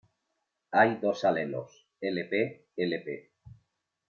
Hay dos alelos: Lp, lp.